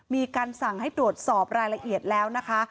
มีการสั่งให้ตรวจสอบรายละเอียดแล้วนะคะ